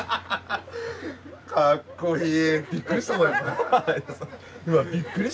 かっこいい。